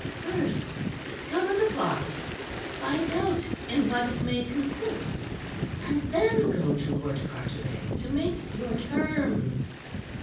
First discover the plot find out in what it may consist, and then go to Lord Carteret to make your terms."